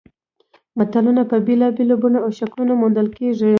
متلونه په بېلابېلو بڼو او شکلونو موندل کیږي